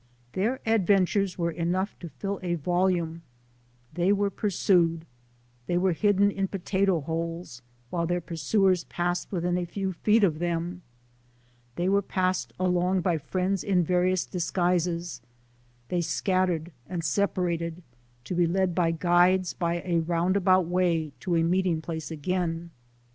Their adventures were enough to fill a volume ; they were pursued ; they were hidden in " potato holes," while their pursuers passed within a few feet of them ; they were passed along by friends in various disguises ; they scattered and separated, to 30 SOME SCENES IN THE be led by guides by a roundabout way, to a meet ing place again.